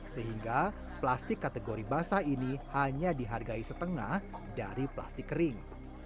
sehingga plastik kategori basah ini hanya dihargai setengah dari plastik kering